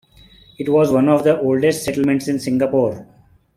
It was one of the oldest settlements in Singapore.